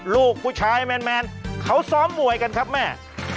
ลูกผู้ชายแมนเขาซ้อมมวยกันครับแม่